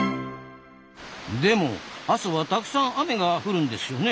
でも阿蘇はたくさん雨が降るんですよね。